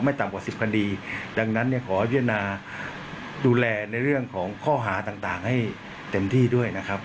ต่ำกว่าสิบคดีดังนั้นเนี่ยขอพิจารณาดูแลในเรื่องของข้อหาต่างให้เต็มที่ด้วยนะครับ